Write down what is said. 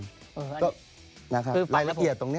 ครับนะครับรายละเขตตรงนี้